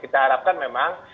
kita harapkan memang